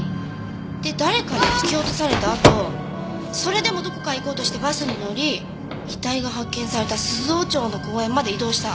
で誰かに突き落とされたあとそれでもどこかへ行こうとしてバスに乗り遺体が発見された鈴尾町の公園まで移動した。